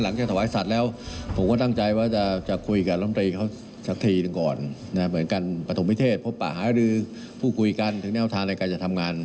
งานบางอย่างเลยไม่เดิน